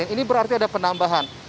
ini berarti ada penambahan